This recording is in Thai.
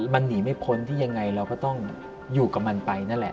มันหนีไม่พ้นที่ยังไงเราก็ต้องอยู่กับมันไปนั่นแหละ